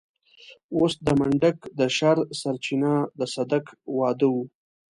اوس د منډک د شر سرچينه د صدک واده و.